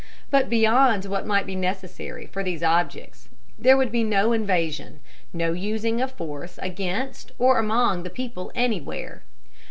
But beyond what might be necessary for these objects there would be no invasion, no using of force against or among the people anywhere.